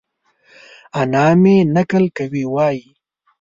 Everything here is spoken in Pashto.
انا مې؛ نکل کوي وايي؛